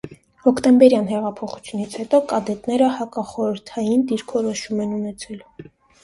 Հոկտեմբերյան հեղափոխությունից հետո կադետները հակախորհրդային դիրքորոշում են ունեցելկ։